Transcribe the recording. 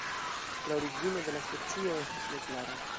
La origino de la specio estas neklara.